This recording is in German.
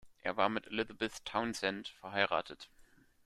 Er war mit Elizabeth Townshend verheiratet.